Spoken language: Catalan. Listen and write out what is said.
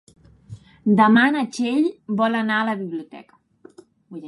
Demà na Txell vol anar a la biblioteca.